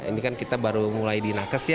ini kan kita baru mulai di nakes ya